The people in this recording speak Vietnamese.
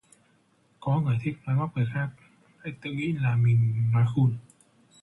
Có người thích nói móc người khác, lại tự nghĩ là mình nói khun